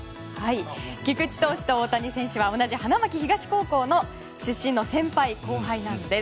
菊池投手と大谷投手は同じ花巻東高校出身の先輩・後輩なんです。